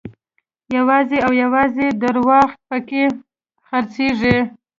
یوازې او یوازې درواغ په کې خرڅېږي.